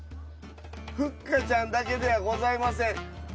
ふっかちゃんだけではございません。